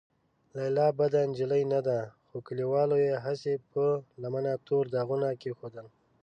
لیلا بده نجلۍ نه ده، خو کليوالو یې هسې په لمنه تور داغونه کېښودل.